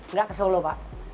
nggak ke solo pak